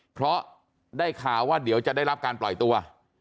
เพราะได้ข่าวว่าเดี๋ยวจะได้รับการปล่อยตัว